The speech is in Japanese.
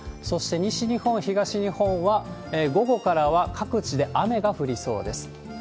そして、西日本、東日本は、午後からは各地で雨が降りそうです。